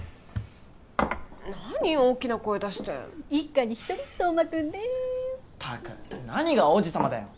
何大きな声出して一家に一人冬馬君ねったく何が王子様だよ